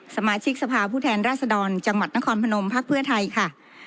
สมาชิกสภาพผู้แทนราชดรจังหวัดนครพนมพักเพื่อไทยค่ะ